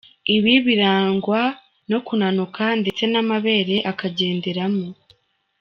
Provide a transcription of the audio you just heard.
Ibi birangwa no kunanuka ndetse n’amabere akagenderamo.